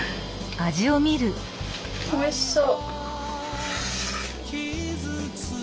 おいしそう！